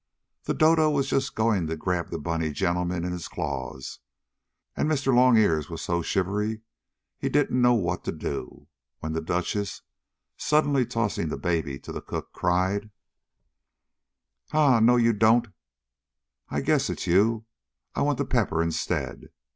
The dodo was just going to grab the bunny gentleman in his claws, and Mr. Longears was so shivery he didn't know what to do, when the duchess, suddenly tossing the baby to the cook, cried: "Ha! No you don't! I guess it's you I want to pepper instead!"